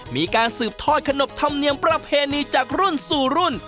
มีการสืบทอดขนบธรรมเนียมประเพณีจากรุ่นสู่รุ่น